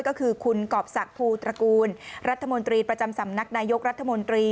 ก็คือคุณกรอบศักดิ์ภูตระกูลรัฐมนตรีประจำสำนักนายกรัฐมนตรี